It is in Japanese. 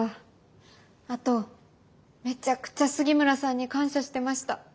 あとめちゃくちゃ杉村さんに感謝してました。